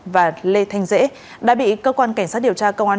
và lê thanh dễ đã bị cơ quan cảnh sát điều tra công an